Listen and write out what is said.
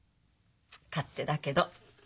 勝手だけど。